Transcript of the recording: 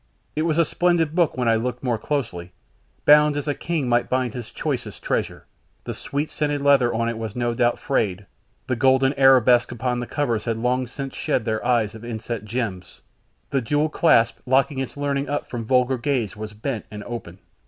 It was a splendid book when I looked more closely, bound as a king might bind his choicest treasure, the sweet scented leather on it was no doubt frayed; the golden arabesques upon the covers had long since shed their eyes of inset gems, the jewelled clasp locking its learning up from vulgar gaze was bent and open.